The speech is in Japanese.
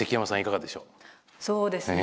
そうですね。